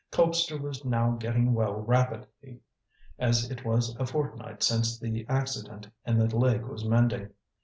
Colpster was now getting well rapidly, as it was a fortnight since the accident and the leg was mending.